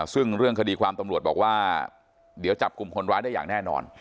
ซึ่งเรื่องคดีความตำรวจบอกว่าเดี๋ยวจับกลุ่มคนร้ายได้อย่างแน่นอน